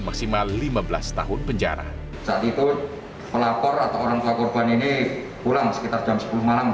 maksimal lima belas tahun penjara saat itu pelapor atau orang tua korban ini pulang sekitar jam sepuluh malam